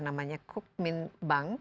namanya kukmin bank